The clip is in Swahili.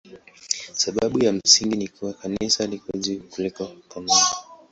Sababu ya msingi ni kuwa Kanisa liko juu kuliko kanuni.